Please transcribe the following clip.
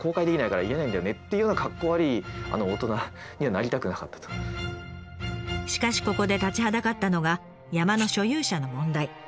それで子どもからしかしここで立ちはだかったのが山の所有者の問題。